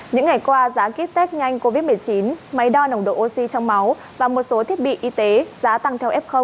những ngày qua giá kit test nhanh covid một mươi chín máy đo nồng độ oxy trong máu và một số thiết bị y tế giá tăng theo f